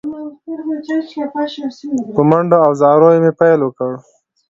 په منډو او زاریو مې پیل وکړ.